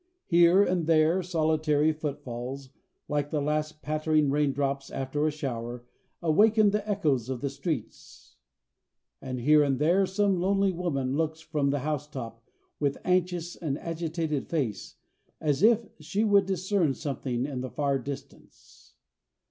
Here and there solitary footfalls, like the last pattering rain drops after a shower, awaken the echoes of the streets; and here and there some lonely woman looks from the housetop with anxious and agitated face, as if she would discern something in the far distance.